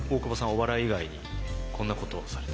お笑い以外にこんなことをされてる？